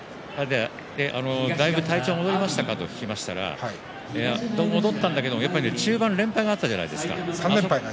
だいぶ体調戻りましたか？と聞いたら、戻ったんだけど中盤、連敗があったじゃないですか。